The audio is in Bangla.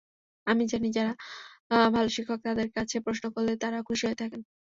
আমরা জানি, যাঁরা ভালো শিক্ষক, তাঁদের কাছে প্রশ্ন করলে তাঁরা খুশি হয়ে থাকেন।